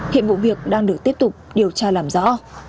hiện vụ việc đang được tiếp tục điều tra làm rõ